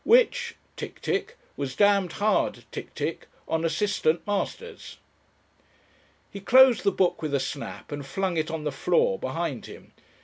"Which (tick, tick) was damned hard (tick, tick) on assistant masters." He closed the book with a snap and flung it on the floor behind him.